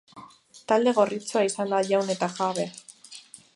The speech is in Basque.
Talde gorritxoa izan da jaun eta jabe.